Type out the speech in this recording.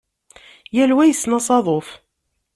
Yal wa yessen asaḍuf.